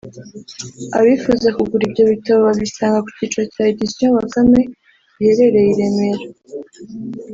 Abifuza kugura ibyo bitabo babisanga ku cyicaro cya Editions Bakame giherereye i Remera